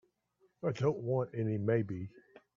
I don't want any maybe.